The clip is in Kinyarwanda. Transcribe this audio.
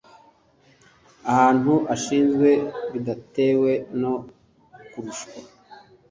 ahantu ashinzwe bidatewe no kurushwa